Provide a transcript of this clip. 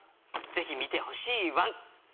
ぜひ見てほしいワン！